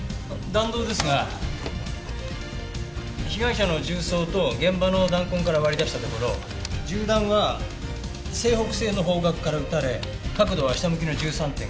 弾道ですが被害者の銃創と現場の弾痕から割り出したところ銃弾は西北西の方角から撃たれ角度は下向きの１３．５度。